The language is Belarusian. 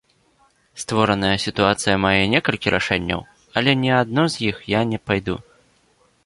Створаная сітуацыя мае некалькі рашэнняў, але ні адно з іх я не пайду.